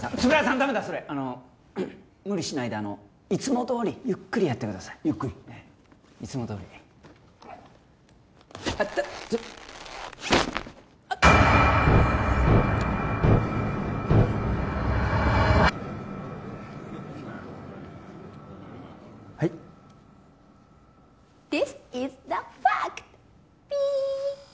ダメだそれあの無理しないであのいつもどおりゆっくりやってくださいゆっくりいつもどおりあっちょっあっはいＴｈｉｓｉｓｔｈｅｆａｃｔ！